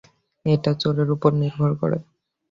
এটা চোরের উপর নির্ভর করে।